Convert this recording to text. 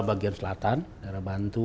bagian selatan daerah bantu